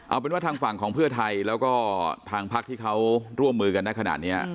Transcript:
เอาเป็นว่าทางฝั่งของเพื่อไทยแล้วก็ทางพักที่เขาร่วมมือกันนะขนาดนี้